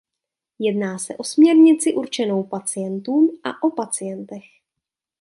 Jedná se o směrnici určenou pacientům a o pacientech.